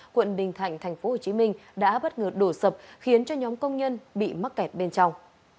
quận bình thạnh tp hcm đã bất ngờ đổ sập khiến cho nhóm công nhân bị mắc kẹt bên trong